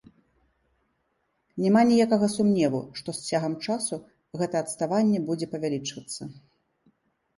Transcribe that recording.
Няма ніякага сумневу, што з цягам часу гэта адставанне будзе павялічвацца.